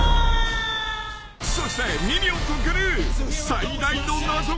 ［そして］